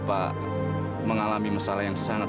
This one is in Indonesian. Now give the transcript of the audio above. sudah kurang budi yang dibahayakan said fen